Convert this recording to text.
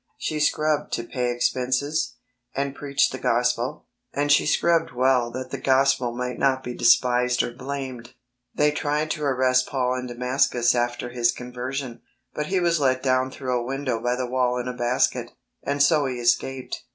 She scrubbed to pay expenses, and preached the Gospel, and she scrubbed well that the Gospel might not be despised or blamed. They tried to arrest Paul in Damascus after his conversion, but he was let down through a window by the wall in a basket, and so escaped.